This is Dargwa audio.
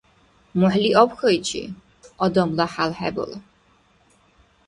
МухӀли абхьайчи, адамла хӀял хӀебала.